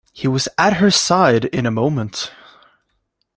He was at her side in a moment.